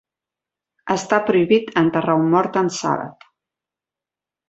Està prohibit enterrar un mort en Sàbat.